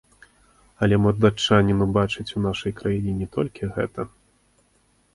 Але мо датчанін убачыць у нашай краіне не толькі гэта.